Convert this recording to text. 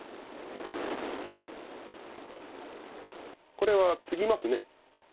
これはツギます。